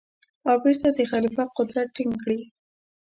او بېرته د خلیفه قدرت ټینګ کړي.